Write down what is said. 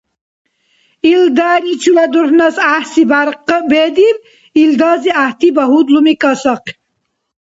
Илдани чула дурхӀнас гӀяхӀси бяркъ бедиб, илдази гӀяхӀти багьудлуми касахъиб.